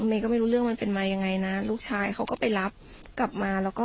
เมย์ก็ไม่รู้เรื่องมันเป็นมายังไงนะลูกชายเขาก็ไปรับกลับมาแล้วก็